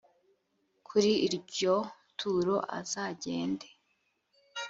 kuri iryo turo azagende